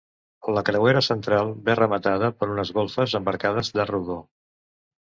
La creuera central ve rematada per unes golfes amb arcades d'arc rodó.